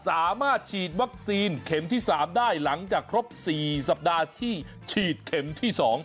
สามารถฉีดวัคซีนเข็มที่๓ได้หลังจากครบ๔สัปดาห์ที่ฉีดเข็มที่๒